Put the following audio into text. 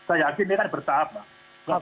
saya yakin ini kan bertahap pak